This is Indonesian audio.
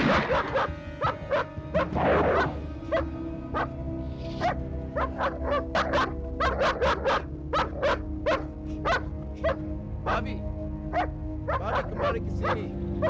bagaimana kemarin kesini